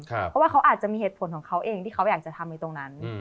เพราะว่าเขาอาจจะมีเหตุผลของเขาเองที่เขาอยากจะทำในตรงนั้น